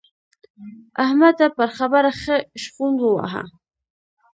احمد پر خبره ښه شخوند وواهه.